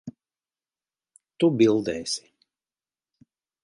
Tu bildēsi.